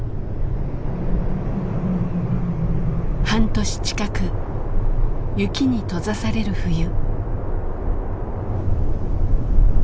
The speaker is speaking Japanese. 半年近く雪に閉ざされる冬。